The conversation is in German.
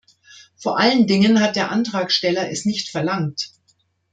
Vor allen Dingen hat der Antragsteller es nicht verlangt.